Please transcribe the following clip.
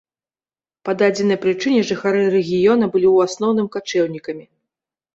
Па дадзенай прычыне жыхары рэгіёна былі ў асноўным качэўнікамі.